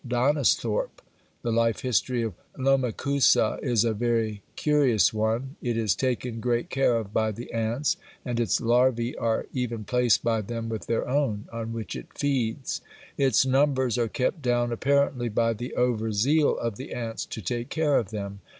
Donisthorpe. The life history of Lomechusa is a very curious one: it is taken great care of by the ants, and its larvæ are even placed by them with their own, on which it feeds. Its numbers are kept down apparently by the overzeal of the ants to take care of them.